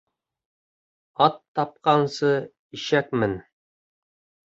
Ат тапҡансы ишәк мен.